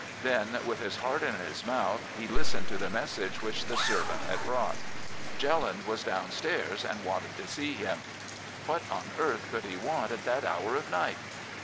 Then, with his heart in his mouth, he listened to the message which the servant had brought. "Jelland was downstairs, and wanted to see him. "What on earth could he want at that hour of night?